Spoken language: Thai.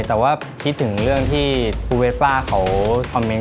แต่ว่าคิดถึงเรื่องที่ครูเวสป้าเขาคอมเมนต